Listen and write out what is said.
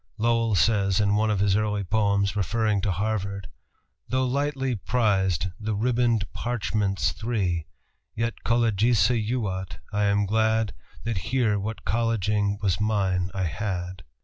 Lowell says, in one of his early poems referring to Harvard, "Tho' lightly prized the ribboned parchments three, Yet collegisse juvat, I am glad That here what colleging was mine I had."